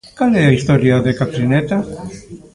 Cal é a historia de Catrineta?